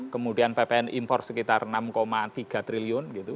kemudian ppn impor sekitar enam tiga triliun gitu